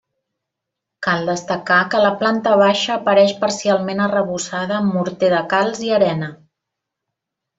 Cal destacar que la planta baixa apareix parcialment arrebossada amb morter de calç i arena.